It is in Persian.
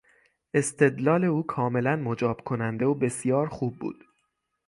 استدلال او کاملا مجاب کننده و بسیار خوب بود.